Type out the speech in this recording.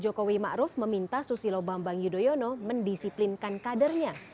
jokowi makruf meminta susilo bambang yudhoyono mendisiplinkan kadernya